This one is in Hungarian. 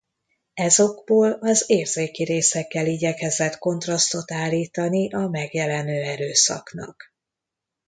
Ez okból az érzéki részekkel igyekezett kontrasztot állítani a megjelenő erőszaknak.